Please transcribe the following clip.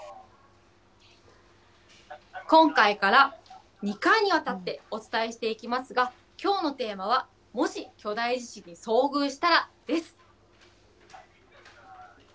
今回から２回にわたってお伝えしていきますが、きょうのテーマは、もし巨大地震に遭遇したらです。